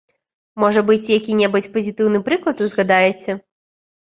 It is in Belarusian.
Можа быць, які-небудзь пазітыўны прыклад узгадаеце?